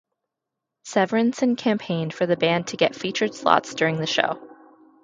Severinsen campaigned for the band to get featured slots during the show.